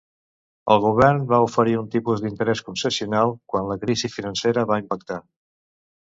El govern va oferir un tipus d'interès concessional quan la crisi financera va impactar.